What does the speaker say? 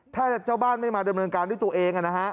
ถ้าเจ้าบ้านไม่มาดำเนินการด้วยตัวเองนะฮะ